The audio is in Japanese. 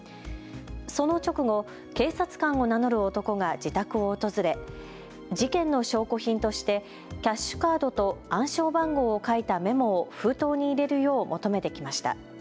その直後、警察官を名乗る男が自宅を訪れ事件の証拠品としてキャッシュカードと暗証番号を書いたメモを封筒に入れるよう求めてきました。